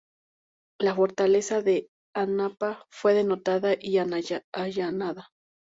La fortaleza de Anapa fue detonada y allanada.